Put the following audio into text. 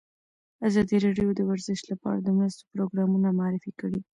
ازادي راډیو د ورزش لپاره د مرستو پروګرامونه معرفي کړي.